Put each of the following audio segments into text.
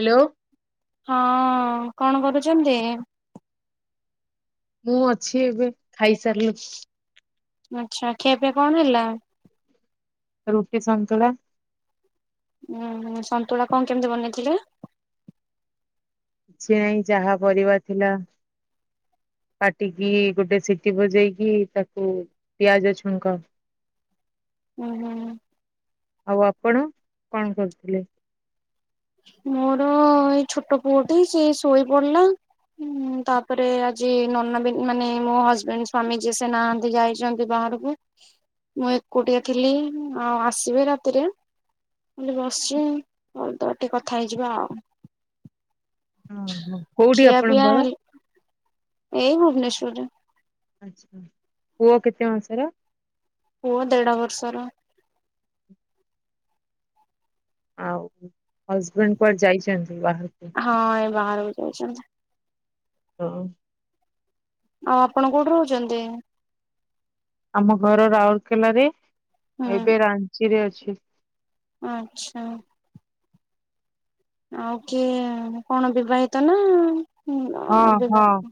Hello. ହଁ କଣ କରୁଚନ୍ତି? ମୁଁ ଅଛି ଏବେ ଖାଇସାରିଲି। ଆଚ୍ଛା ଖିଆ ପିଆ କଣ ହେଲା? ରୁଟି ସନ୍ତୁଳା। ଉୁଁ ହୁଁ ସନ୍ତୁଳା କଣ କେମିତି ବନେଇଥିଲେ? କିଛି ନାହିଁ ଯାହା ପରିବା ଥିଲା। କାଟିକି ଗୋଟେ ସିଟି ବଜେଇକି ତାକୁ ପିଆଜ ଛୁଙ୍କ ଉଁ ହୁଁ। ଆଉ ଆପଣ କଣ କରୁଥିଲେ? ମୋର ଏଇ ଛୋଟ ପୁଅଟି ସେ ଶୋଇ ପଡିଲା। ହୁଁ ତାପରେ ଆଜି ନନା ବି ମାନେ ମୋ ହଜବେଣ୍ଡ ସ୍ୱାମୀ ଯିଏ ସେ ନାହାନ୍ତି ଯାଇଚନ୍ତି ବାହାରୁକୁ। ମୁଁ ଏକୁଟିଆ ଥିଲି ଆଉ ଆସିବେ ରାତିରେ। ପୁଣି ବସିଚୁ ଆଉ ଦିଅ ଟିକେ କଥା ହେଇଯିବା ଆଉ। ଓ ହ କୋଉଠି ଖିଆ ପିଆ ଆପଣଙ୍କ ଘର? ଏଇ ଭୁବନେଶ୍ୱରରେ। ଆଛା ପୁଅ କେତେ ମାସର? ପୁଅ ଦେଢ ବର୍ଷର। ଆଉ ହଜବେଣ୍ଡ କୁଆଡେ ଯାଇଚନ୍ତି ବାହାରକୁ? ହଁ ଏ ବାହାରକୁ ଯାଇଚନ୍ତି। [inaudible] ଆଉ ଆପଣ କୋଉଠି ରହୁଚନ୍ତି? ଆମ ଘର ରାଉଲକେଲାରେ। ହୁଁ ଏବେ ରାଞ୍ଚିରେ ଅଛି। ଆଛା। ଆଉ କିଏ କଣ ବିବାହିତ ନା ହୁଁ ନା ହଁ ହଁ ବିବାହିତ।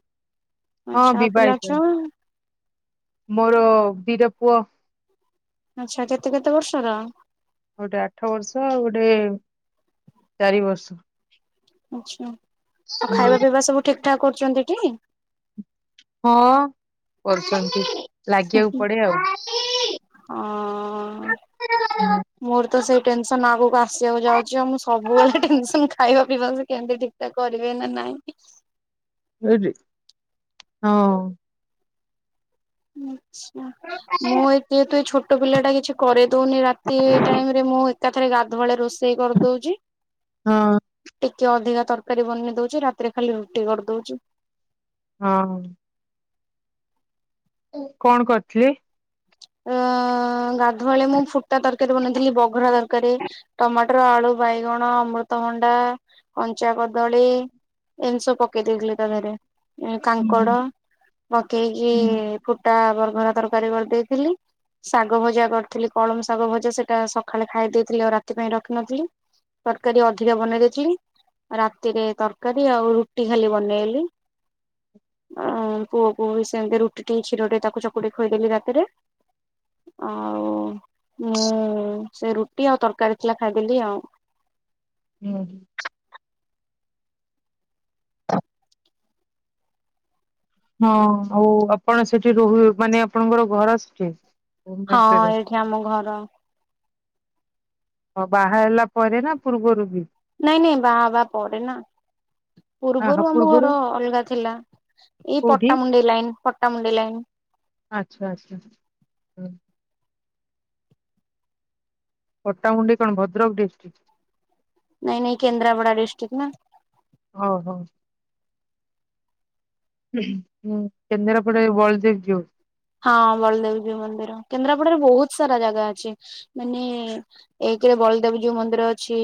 ଆଉ ହଁ ଛୁଆ ପିଲା ବିବାହିତ ଅଛ ମୋର ଦିଟା ପୁଅ। ଆଛା କେତେ କେତେ ବର୍ଷର? ଗୋଟେ ଆଠ ବର୍ଷ ଆଉ ଗୋଟେ ଚାରି ବର୍ଷ। ଆଛା। ଆଉ ହୁଁ ଖାଇବା ପିଇବା ସବୁ ଠାକ୍ ଠାକ୍ କରୁଛନ୍ତିଟି? ହଁ କରୁଛନ୍ତି। ଲାଗିବାକୁ ପଡେ ଆଉ। ହଁ ମୋର ତ ସେଇ ଟେନସନ୍, ଆଗକୁ ଆସିବାକୁ ଯାଉଛି। ଆଉ ମୁଁ ସବୁବେଳେ ଟେନସନ୍ ଖାଇବା ପିଇବା ସେ କେମିତି ଠିକ୍ କରିବେ ନା ନାଇଁ? ହଁ। ଆଛା। ମୁଁ ଏତେ ଏତେ ଛୋଟ ପିଲା ଟା କିଛି କରିଦଉନି ରାତି ଟାଇମ୍ ରେ। ମୁଁ ଏକାଥରେ ଗାଧୁଆଳିଆ ରୋଷେଇ କରିଦଉଚି। ହଁ। ଟିକେ ଅଧିକା ତରକାରୀ ବନେଇ ଦଉଛି। ରାତିରେ ଖାଲି ରୁଟି କରିଦଉଚି। ହଁ। କଣ କରିଥିଲେ? ଅଁ ଗାଧୁଆଳେ ମୁଁ ଫୁଟା ତରକାରୀ ବନେଇଥିଲି ବଘରା ତରକାରୀ। ଟମାଟର, ଆଳୁ, ବାଇଗଣ, ଅମୃତଭଣ୍ଡା, କଞ୍ଚା କଦଳୀ ଏମ୍ ତି ସବୁ ପକେଇ ଦେଇଥିଲି ତା ଦେହେରେ। କାଙ୍କଡ ହୁଁ ପକେଇକି ଫୁଟା ବରଘରା ତରକାରୀ କରିଦେଇଥିଲି। ଶାଗ ଭଜା କରିଥିଲି କଳମ ଶାଗ ଭଜା ସେଟା ସକାଳେ ଖାଇ ଦେଇଥିଲେ ଆଉ ରାତି ପାଇଁ ରଖିନଥିଲି। ତରକାରୀ ଅଧିକା ବନେଇ ଦେଇଥିଲି। ରାତିରେ ତରକାରୀ ଆଉ ରୁଟି ଖାଲି ବନେଇଲି। ଆଁ ପୁଅକୁ ବି ସେମିତି ରୁଟିଟିକେ କ୍ଷୀର ଟିଏ ତାକୁ ଚକୁଟି ଖୁଆଇ ଦେଲି ରାତିରେ। ଆଉ ମୁଁ ସେ ରୁଟି ଆଉ ତରକାରୀ ଥିଲା ଖାଇଦେଲି ଆଉ। ହୁଁ, ହୁଁ। ହଁ ଆଉ ଆପଣ ସେଠି ରହୁ, ମାନେ ଆପଣଙ୍କର ଘର ସେଠି? ହଁ ଭୁବନେଶ୍ଵରରେ ଏଇଠି ଆମ ଘର। ଅ ବାହା ହେଲା ପରେ ନା ପୂର୍ବରୁ ବି? ନାଇଁ ନାଇଁ ବାହା ହବା ପରେ ନା ହ ହଁ ପୂର୍ବରୁ ଆମ ଘର ଅଲଗା ଥିଲା। ଏଇ କୋଉଠି ପଟାମୁଣ୍ଡେଇ ଲାଇନ୍ ପଟାମୁଣ୍ଡେଇ ଲାଇନ୍। ଆଚ୍ଛା ଆଚ୍ଛା, ହୁଁ। ପଟ୍ଟାମୁଣ୍ଡେଇ କଣ ଭଦ୍ରକ ଡିଷ୍ଟ୍ରିକ୍? ନାଇଁ ନାଇଁ କେନ୍ଦ୍ରାପଡ଼ା ଡିଷ୍ଟ୍ରିକ୍ ନା। ଓହୋ। ହୁଁ କେନ୍ଦ୍ରାପଡ଼ାରେ ବଳଦେବ ଯିଉ। ହଁ ବଳଦେବଜୀଉ ମନ୍ଦିର କେନ୍ଦ୍ରାପଡାରେ ବୋହୁତ୍ ସାରା ଜାଗା ଅଛି। ମାନେ ଏକରେ ବଳଦେବଯୀଉ ମନ୍ଦିର ଅଛି।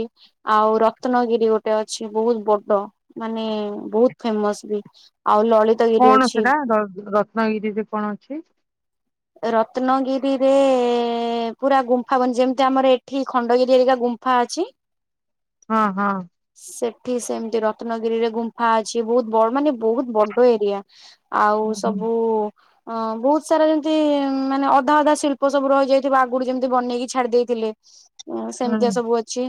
ଆଉ ରତ୍ନଗିରି ଗୋଟେ ଅଛି। ବୋହୁତ୍ ବଡ ମାନେ ବୋହୁତ୍ ଫେମସ ବି। ଆଉ ଲଳିତ କଣ ସେଟା ର-ରତ୍ନଗିରିରେ କଣ ଅଛି? ରତ୍ନଗିରିରେ ପୁରା ଗୁମ୍ଫାବନ ଯେମିତି ଆମର ଏଠି ଖଣ୍ଡଗିରି ଏରିକା ଗୁ ମ୍ଫା ଅଛି ହଁ ହଁ। ସେଠି ସେମିତି ରତ୍ନଗିରିରେ ଗୁମ୍ଫା ଅଛି ବୋହୁତ୍ ବଡ଼ ମାନେ ବୋହୁତ୍ ବଡ ଏରିଆ। ଆଉ ହୁଁ ହୁଁ ସବୁ ଅ ବୋହୁତ୍ ସାରା ଯେମତି ମାନେ ଅଧା ଅଧା ଶିଳ୍ପ ସବୁ ରହିଯାଇଥିବା ଆଗୁରୁ ଯେମିତି ବନେଇକି ଛାଡି ଦେଇେଥିଲେ। ହଁ ହୁଁ ସେମିତିଆ ସବୁ ଅ ଅଛି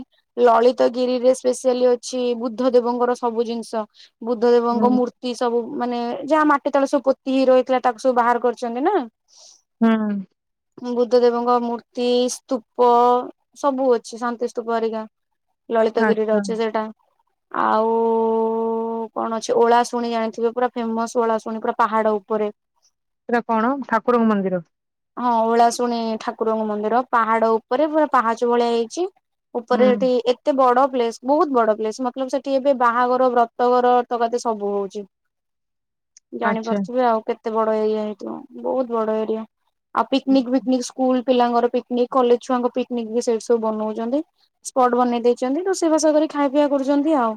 ଲଳିତ ଗିରିରେ ସ୍ପେସିଆଲି ଅଛି ବୁଦ୍ଧ ଦେବଙ୍କର ସବୁ ଜିନିଷ। ବୁଦ୍ଧ ଦେବଙ୍କ ହୁଁ ମୂର୍ତ୍ତି ସବୁ ମାନେ ଯାହା ମାଟି ତଳ ସବୁ ପୋତି ହେଇ ରହିଥିଲା ତାକୁ ସବୁ ବାହାର କରିଚନ୍ତି ନା। ହଁ ହୁଁ। ବୁଦ୍ଧ ଦେବଙ୍କ ମୂର୍ତ୍ତି ସ୍ତୁପ ସବୁ ଅଛି ଶାନ୍ତିସ୍ତୁପ ହରିକା ଲଳିତଗିରିରେ ଆଚ୍ଛା ଅଛି ସେଇଟା। ଆଉ। ଓ କଣ ଅଛି ଓଳା ଶୁଣି ଜାଣିଥିବେ ପୁରା ଫେମସ ଓଳା ଶୁଣି ପୁରା ପାହାଡ ଉପରେ। ସେଟା କଣ ଠାକୁରଙ୍କ ମନ୍ଦିର। ହଁ ଓଳାଶୁଣି ଠାକୁରଙ୍କ ମନ୍ଦିର ପାହାଡ ଉପରେ ପୁରା ପାହାଚ ଭଳିଆ ହେଇଚି। ହୁଁ ଉପରେ ହେଟି ଏତ୍ ଏତେ ବଡ ପ୍ଲେସ ବୋହୁତ ବଡ ପ୍ଲେସ ମତଲବ ସେଟି ଏବେ ବାହାଘର ବ୍ରତଘର ତକାତେ ସବୁ ହୋଉଚି। ଆଚ୍ଛା ଜାଣିପାରୁଥିବେ ଆଉ କେତେ ବଡ ଏରିଆ ହେଇଥିବ ବୋହୁତ ବଡ ଏରିଆ ଆଉ ହୁଁ ପିକନିକ୍ ଫିକନିକ୍ ସ୍କୁଲ ପିଲାଙ୍କର ପିକନିକ୍ କଲେଜ ଛୁଆଙ୍କ ପିକନିକ୍ ବି ସେଇଟିସବୁ ବନଉଚନ୍ତି। ସ୍ପଟ୍ ବନେଇ ଦେଇେଚନ୍ତି ତ ରୋସେଇସାବ ଖାଇବା ପିଇବା କରୁଚନ୍ତି ଆଉ।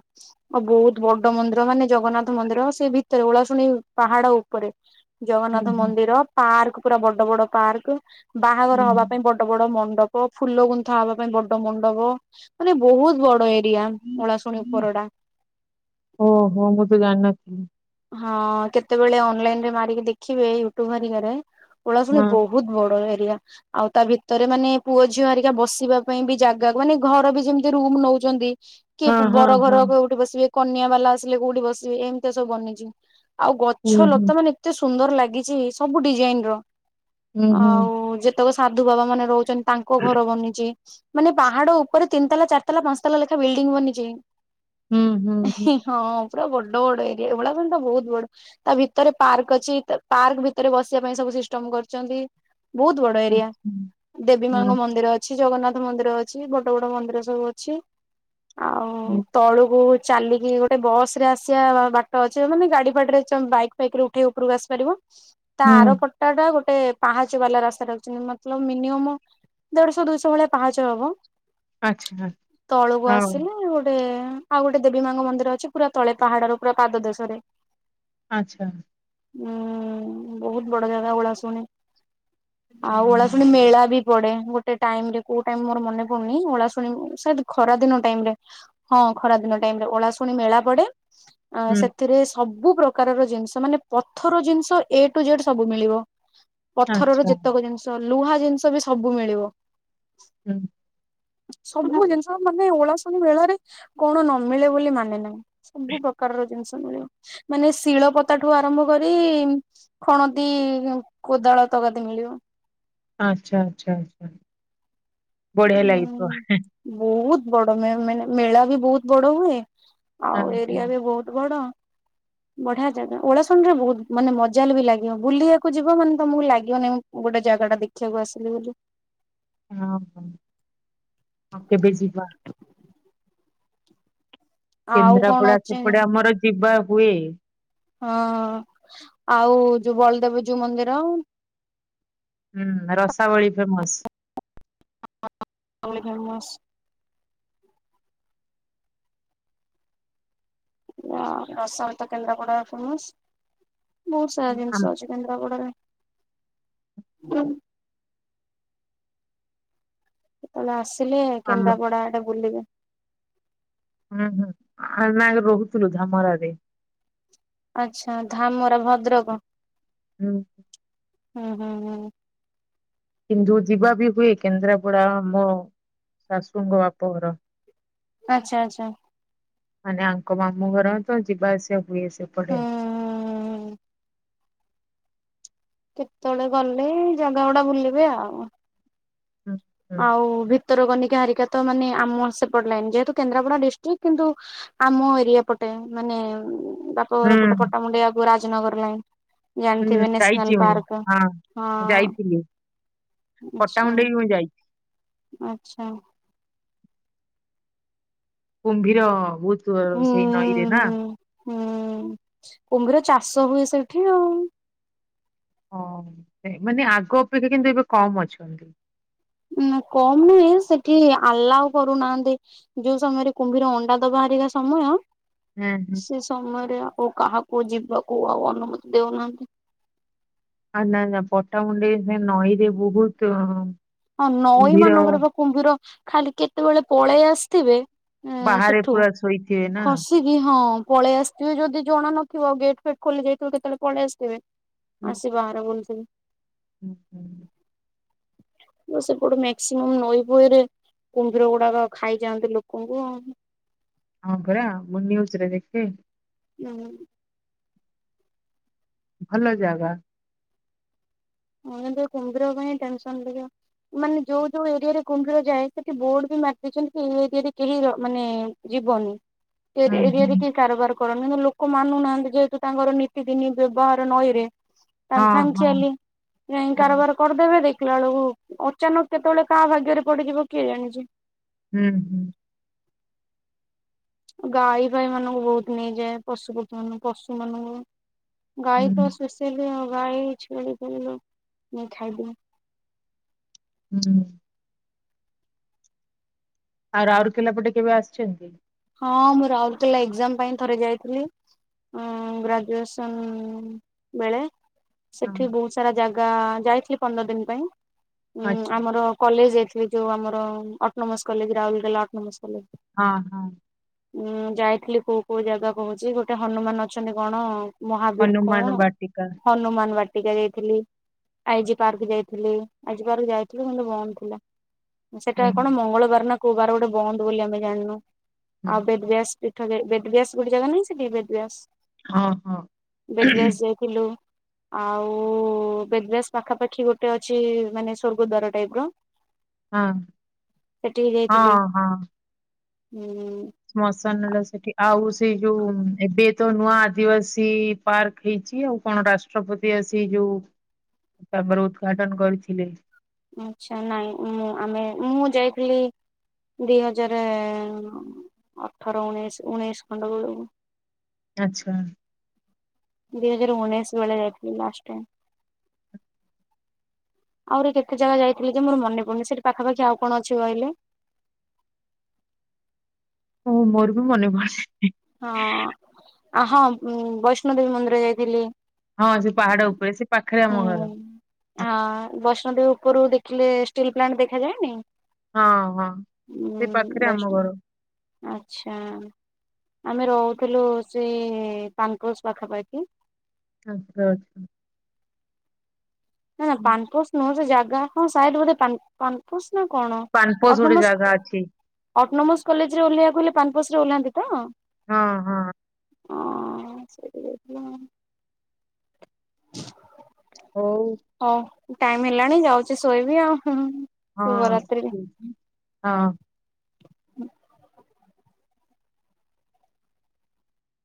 ଆ ବୋହୁତ ବଡ ମନ୍ଦିର ମାନେ ଜଗନ୍ନାଥ ମନ୍ଦିର ସେ ଭିତରେ ଉଳାଶୁଣି ପାହାଡ ଉପରେ। ହୁଁ ଜଗନ୍ନାଥ ମନ୍ଦିର ପାର୍କ ପୁରା ବଡ ବଡ ପାର୍କେ ହୁଁ ବାହାଘର ହବା ପାଇଁ ବଡ ବଡ ବଡ ମଣ୍ଡପ ଫୁଲ ଗୁନ୍ଥା ହବା ପାଇଁ ବଡ ମଣ୍ଡପ ମାନେ ବୋହୁତ ବଡ ଏରିଆ ଅଳାଶୁଣି ହୁଁ। ଉପର ଟା। ଓହୋ ମୁଁ ତ ଜାଣିନଥିଲି। ହଁ କେତେବେଳେ ଅନଲାଇନ ରେ ମାରିକି ଦେଖିବେ ୟୁଟ୍ୟୁବ ହରିକାରେ ଓଳାଶୁଣି ହଁ ବୋହୁ ବୋହୁତ ବଡ଼ ଏରିଆ। ଆଉ ତା ଭିତରେ ମାନେ ପୁଅ ଝିଅ ହରିକା ବସିବା ପାଇଁ ବି ଜାଗା ମାନେ ଘର ବି ଯେମିତି ରୁମ ନଉଚନ୍ତି। କିଏ ହଁ ହଁ ବର ହଁ ଘର କୋଉଟି ବସିବେ କନ୍ୟା ବାଲା ଆସିଲେ କୋଉଟି ବସିବେ ଏମିତି ସବୁ ବନିଚି। ଆଉ ହୁଁ ଗଛ ହୁଁ ଲତା ମାନେ ଏତେ ସୁନ୍ଦର ଲାଗିଚି ସବୁ ଡିଜାଇନ ର। ହୁଁ ହୁଁ ଆଉ ଯେତେକ ସାଧୁ ବାବା ମାନେ ରହୁଚନ୍ତି ତାଙ୍କ ଘର ବନିଛି। ମାନେ ପାହାଡ ଉପରେ ତିନ ତାଲା ଚାରିଲା ପାଞ୍ଚତାଲା ଲେଖାଏଁ ବିଲ୍ଡିଂ ବନିଚି। ହୁଁ ହୁଁ ହୁଁ। ହଁ ପୁରା ବଡ ବଡ ଏରିଆ ଏଭଳିଆ। ରୁମଟା ବୋହୁତ ବଡ ତା ଭିତରେ ପାର୍କ ଅଛି ପାର୍କ ଭିତରେ ବସିବା ପାଇଁ ସବୁ ସିଷ୍ଟମ କରିଚନ୍ତି। ବୋହୁତ ବଡ ଏରିଆ ଆଚ୍ଛା ଦେବୀ ହଁ ମାଙ୍କ ମନ୍ଦିର ଅଛି। ଛି ଜଗନ୍ନାଥ ମନ୍ଦିର ଅଛି ବଡ ବଡ ମନ୍ଦିର ସବୁ ଅଛି ଆଉ ହୁଁ। ତଳୁକୁ ଚାଲିକି ଗୋଟେ ବସ ରେ ଆସିବା ବାଟ ଟ ଅଛି ମାନେ ଗାଡି ଫାଡିରେ ଚ ବାଇକ୍ ଫାଇକରେ ଉଠେଇ ଉପରକୁ ଆସିପାରିବ ତା ହୁଁ ଆର ପଟେ ପଟ ଟା ଗୋଟେ ପାହାଚ ବାଲା ରାସ୍ତା ରହୁଚି ମତଲପ ମିନିୟମ ଦେଢଶହ ଦୁଇଶହ ଭଳିଆ ପାହାଚ ହବ ଆଚ୍ଛା ତଳକୁ ହଉ ଆସିଲେ ଗୋଟେ ଏଁ ଆଉ ଗୋଟେ ଦେବୀ ମାଙ୍କ ମନ୍ଦିର ଅଛି ପୁରା ତଳେ ପାହାଡର ପୁରା ପାଦ ଦେଶ ରେ। ଆଚ୍ଛା। ଉଁ ବୋହୁତ୍ ବଡ ଜାଗା ଓଳା ଶୁଣି। ଆଉ ଓଳା ହଁ ଶୁଣି ମେଳା ବି ପଡେ ଗୋଟ ଟେ ଟାଇମ୍ ରେ କୋଉ ଟାଇମ ମୋର ମନେ ପଡୁନି ଓଳା ଶୁଣି ସେ ଖରା ଦିନ ଟାଇମ୍ ରେ। ହଁ ଖରାଦିନ ଟାଇମରେ ଓଳା ଶୁଣି ମେଳା ପଡେ ଅଁ ହୁଁ ସେଥିରେ ସବୁ ପ୍ରକାରର ଜିନିଷ ମାନେ ପଥର ଜିନିଷ ଏ ଟୁ ଜେଡ ସବୁ ମିଳିବ। ପଥରର ଆଚ୍ଛା ଯେତକ ଜିନିଷ ଲୁହା ଜିନିଷ ବି ସବୁ ମିଳିବ। ହୁଁ। ସବୁ ଜିନିଷ ମାନେ ଓଳାଶୁଣି ମେଳରେ କଣ ନ ମିିଳେ ବୋଲି ମାନେ ନାଇଁ ସବୁ ପ୍ରକାର ପ୍ରକାର ର ଜିନିଷ ମିଳେ ମାନେ ଶିଳ ପତାଟୁ ଆରମ୍ଭ କରି ଖଣଦୀ କୋଦାଳ ତକାତି ମିଳିବ। ଆଚ୍ଛା ଆଚ୍ଛା ଆଛା ବଢିଆ ଉଁ ଲାଗିଥିବ। ବହୁତ ବଡ ମ ମାନେ ମେଳା ବି ବହୁତ ବଡ ହୁଏ। ହଁ ଆଉ ଏରିଆ ହଁ ବି ବହୁତ ବଡ ବଢିଆ ଜାଗା ଓଳାାସଣ ରେ ବହୁତ ମାନେ ମଜାଲ ବି ଲାଗିବ ବୁଲିବାକୁ ଯିବ ମାନେ ତମକୁ ଲାଗିବନି। ଗୋଟେ ଜାଗା ଟା ଦେଖିବାକୁ ଆସିଲି ବୋଲି। ହଁ ହ କେବେ ଯିବା। ଆଉ କଣ କେନ୍ଦ୍ରାପଡା ଅଛି ସେପଟେ ଆମର ଯିବା ହୁଏ। ହଁ ଆଉ ଯୋଉ ବଳଦେବ ଯୋଉ ମନ୍ଦିର ହୁଁ ରସାବଳି ଫେମସ। [inaudible] ରସାବଳି କେନ୍ଦ୍ରାପଡା ଫେମସ ବହୁତ ସାରା ଆମ ଜିନିଷ ଅଛି। କେନ୍ଦ୍ରାପଡ଼ା ରେ ତବେ ଆସିଲେ ଆମ କେନ୍ଦାପଡା ଏଟେ ବୁଲିବେ ହୁଁ ହୁଁ ଆ ନା ରହୁଥିଲୁ ଧାମରରେ। ଆଚ୍ଛା ଧାମରା ଭଦ୍ରକ। ହୁଁ ହୁଁ ହୁଁ ହୁଁ କିନ୍ତୁ ଯିବା ବି ହୁଏ କେନ୍ଦ୍ରାପଡା ଆମ ଶାଶୁଙ୍କ ବାପଘର ଆଚ୍ଛା ଆଚ୍ଛା ମାନେ ଆଙ୍କ ମାମୁଁ ଘର ତ ଯିବା ଆସିବା ହୁଏ ସେପଟେ। ହୁଁ କେତେବେଳେ ଗଲେ ଜାଗା ଗୁଡା ବୁଲିବେ ଆଉ ହୁଁ ହୁଁ ଆଉ ଭ। ଉତ୍ତର କନିକା ହାରିକା ତ ମାନେ ଆମ ଆସେ ପଡିଲାଣି ଯେହେତୁ କେନ୍ଦ୍ରାପଡା ଡିଷ୍ଟ୍ରିକ୍ଟ କିନ୍ତୁ ଆମ ଏରିଆ ପଟେ ମାନେ ବା ପୋର ହୁଁ ପଟେ ପଟାମୁଣ୍ଡିଆକୁ ରାଜନଗର ଲାଇଁ ହୁଁ ଜାଣିଥିବେ ନେ ଯାଇଛି ମୁଁ ପାର୍ ହଁ ଯାଇଥିଲି। ଆଚଛା ପଟ୍ଟାମୁଣ୍ଡେଇ ମୁଁ ଯାଇଛି ଆଚ୍ଛା କୁମ୍ଭୀର ବହୁତ ହୁଁ ସେଇ ନଈରେ ହୁଁ ନା ହୁଁ କୁମ୍ଭିର ଚାଷ ହୁଏ ସେଇଠି ଆଉ। ହ ସେ ମାନେ ଆଗ ଅପେକ୍ଷା କିନ୍ତୁ ଏବେ କମ ଅଛନ୍ତି। ଉ କମ ନୁହେଁ ସେଠି ଆଲ୍ଲାହ କରୁନାହାନ୍ତି। ଯୋଉ ସମୟରେ କୁମ୍ଭୀର ଅଣ୍ଡା ଦବାହାରିକା ସମୟ ହୁଁ ହୁଁ। ସେ ସମୟରେ ଆଉ କାହାକୁ ଯିବାକୁ ଆଉ ଅନୁମତି ଦଉନାହାନ୍ତି। ଆ ନା ନା ପଟାମୁଣ୍ଡେ ସେ ନଈରେ ବହୁତ ହଁ ନଈ କୁମ୍ଭୀର ମାନଙ୍କର ବା କୁମ୍ଭୀର ଖାଲି କେତେବେଳେ ପଳେଇ ଆସିଥିବେ। ଏଁ ବାହାରେ ସେଠୁ ପୁରା ଶୋଇଥିବେ ନା। ଖସିକି ହଁ ପଳେଇ ଆସିଥିବେ ଯଦି ଜଣା ନଥିବ ଗେଟ୍ ଫେଟ୍ ଖୋଲି ଯାଇଥିବୁ କେତେବେଳେ ପଳେଇ ଆସିଥିବେ। ହୁଁ। ଆସିକି ବାହାରେ ବୁଲୁ ଥିବେ। ହୁଁ ହୁଁ ତ ସେପଟେ ମକ୍ସିମମ୍ ନଈ ପୋଇରେ କୁମ୍ଭୀର ଗୁଡାକ ଖାଇଯାଆନ୍ତି ଲୋକଙ୍କୁ ଆ ହଁ ପୁରରା ମୁଁ ନିଉଜ୍ ଜରେ ଦେଖେ ହୁଁ ଭଲ ଜାଗା ମୁଁ କୁମ୍ଭୀର ପାଇଁ ଟେନସନ ଲାଗ। ମାନେ ଯୋଉ ଯୋଉ ଏରିଆରେ କୁଣ୍ଡୀର ଯାଏ ସେଠି ବୋର୍ଡ ବି ମାରିଦଛନ୍ତି। କି ଏଇ ଏରିଆରେ କେହି ମାନେ ଯିବନି। ହୁଁ ହୁଁ ଏରିଆରେ କେ କାରବାର କର କିନ୍ତୁ ଲୋକ ମାନୁନାହାନ୍ତି। ଯେହେତୁ ତାଙ୍କର ନୀତି ଦିନି ବ୍ୟବହାର ନଈରେ ହଁ ତାଙ୍କୁ ହଁ ଖିଆଲି। ଯାଇ ହଁ କାରବାର କରିଦେବେ ଦେଖିଲା ବେଳକୁ ଅଚାନକ କେତେବେଳେ କାହା ଭାଗ୍ୟରେ ପଡିଯିବ କିଏ ଜାଣିଛି? ହୁଁ ହୁଁ ଗାଈ ଭଈ ମାନଙ୍କୁ ବହୁତ ନେଇଯାଏ ପଶୁପକ୍ଷୀ ମାନଙ୍କୁ ପଶୁ ମାନଙ୍କୁ ଗାଈ ତ ହୁଁ ଶୋଷେଇିଲ ଆ ଗାଈ ଛେଳି ନେଇ ଖାଇଦିଏ। ହୁଁ ଆଉ ଆଉର କିଲା ପଟେ କେବେ ଆସିଛନ୍ତି। ହଁ ମୁଁ ରାଉରକେଲା ଏକ୍ଜାମ ପାଇଁ ଥରେ ଯାଇଥିଲି। ଗ୍ରାଜୁଏସନ୍ ବେଳେ ହଁ ସେଠି ବହୁତ ସାରା ଜାଗା ଯାଇଥିଲି। ପନ୍ଦର ଦିନ ପାଇଁ ଉଁ ଆଚ୍ଛା ଆମର କଲେଜ ଯାଇଥିଲି। ଯୋଉ ଆମର ଅଟୋନୋମସ କଲେଜ ରାଉଲଲା ଅଟୋନମସ କଲେଜ। ହଁ ହଁ ଉଁ ଯାଇଥିଲି କୋଉ କୋଉ ଜାଗ କହୁଛି ଗୋଟେ ହନୁମାନ ଅଛନ୍ତି କ'ଣ? ମହାବୀର ହନୁମାନ କ'ଣ ବାଟିକା। ହନୁମାନ ବାଟ। ଯାଇଥିଲି ଆଇଜି ପାର୍କ ଯାଇଥିଲି ଆଇଜି ପାର୍କ ଯାଇଥିଲି କିନ୍ତୁ ବନ୍ଦ ଥିଲା। ସେଟା ହୁଁ କ'ଣ ମଙ୍ଗଳବାର ନା କୋଉ ବାର ଗୋଟେ ବନ୍ଦ ବୋଲି ଆମେ ଜାଣିନୁ। ହୁଁ ଆଉ ବେଦବ୍ୟାସ ପୀଠ ବେଦବ୍ୟାସ ଗୋଟେ ଜାଗା ନାହିଁ ସେଠି ହଁ ହଁ ବେଦ୍ୟାସ। ବେଦବ୍ୟାସ ଯାଇଥିଲଥିଲୁ। ଆଉ ବେଗସ ପାଖାପାଖି ଗୋଟେ ଅଛି ମାନେ ସଵର୍ଗ ଦଵାର ଟାଇପ ର ହ ହଁ ହଁ ହଁ ହୁଁ ଶ୍ମଶାନେଲା ସେଠି ଆଉ ସେଇ ଯୋଉ ଏବେ ତ ନୂଆ ଆଦିବାସୀ। ପାର୍କ ହେଇଛି ଆଉ କଣ ରାଷ୍ଟ୍ରପତି ଆସି ଯୋଉ ତାମର ଉଦ୍ଘାଟନ କରିଥିଲେ। ଆଛା ନାଇଁ ମୁଁ ଆମେ ମୁଁ ଯାଇଥିଲି। ଦି ହଜାର ଅଠର ଉଣେଇଶ ଉଣେଇଶ ଖଣ୍ଡ ବେଳକୁ ଆଚ୍ଛା ଦୁଇଜାର ଉଣେଇଶ ବେ ଯାଗଥିଲି ଲାଷ୍ଟ ଟାଇମ ଆହୁରି କେତେ ଜାଗା ଯାଇଥିଲ ଯେ ମୋର ମନ ପଡନି ସେଠି ପାଖପଖି ଆଉ କ'ଣ ଅଛି କହିଲେ? ହ ମୋର ବି ମନେ ପଡ। ହଁ ଆ ହଁ ବୈଷ୍ଣୋଦେବୀ ମନ୍ଦିର ଯାଇଥିଲି। ହଁ ଯୋଉ ପାହାଡ ଉପରେ ସେ ପାଖରେ ହୁଁ। ଆମ ଘର। ହଁ ବୈଷ୍ଣଦେବୀ ଉପରୁ ଦେଖିଲେ ଷ୍ଟିଲ୍ ପ୍ଲାଣ୍ଟ ଦେଖାାଯାଏନି। ହଁ ହଁ ସେଇ ପାଖରେ ଆମ ବୈଷ୍ଣ ଘର। ଆଚ୍ଛା ଆମେ ରହୁଥିଲୁ ସେଇ ପାନପୋଜ ପାଖାପାଖି। ଆଛା ନା ନା ପାନପୋ ନୁହଁ ସେ ଜାଗା ହ ସାଇଡ ବୋଟେ ପ୍ରୃଶନା କ'ଣ ପାନପୋଷ ଆଉ ଗୋଟେ ଜାଗା ନମସ୍କାର। ଅଛି ଅଟୋନୋମସ କଲେଜରେ ଓହ୍ଲାଇବାକୁ ହେଲେ ପାନପସ ରେ ଓ୍ଲାନ୍ତି ତ। ହଁ ହଁ। [inaudible] ହଉ। ହଉ ଟାଇମ ହେଲାଣି ଯାଉଛି ଶୋଇବି ଆଉ ହଁ। ହଁ ହଁ। [inaudible]